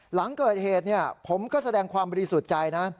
หลังเกิดเหตุผมก็แสดงความบริสุทธิ์ใจนะ